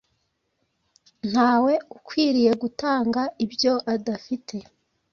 nta we ukwiriye gutanga ibyo adafite.”